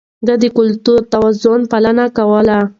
ده د کلتوري توازن پالنه کوله.